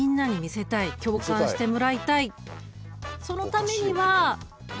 そのためには？